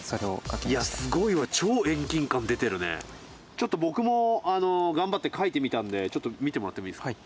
ちょっと僕も頑張って描いてみたんでちょっと見てもらってもいいですか？